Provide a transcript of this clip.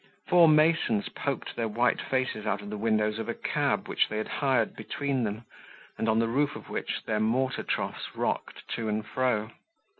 Four masons poked their white faces out of the windows of a cab which they had hired between them, and on the roof of which their mortar troughs rocked to and fro.